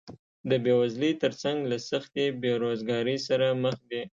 د بېوزلۍ تر څنګ له سختې بېروزګارۍ سره مخ دي